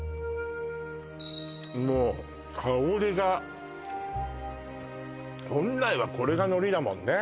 もう香りが本来はこれがのりだもんね